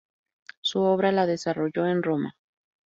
Su obra la desarrolló en Roma.